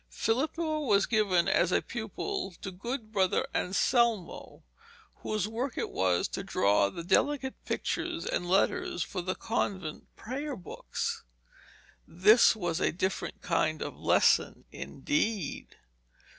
Filippo was given as a pupil to good Brother Anselmo, whose work it was to draw the delicate pictures and letters for the convent prayer books. This was a different kind of lesson, indeed.